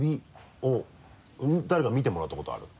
誰か見てもらったことある？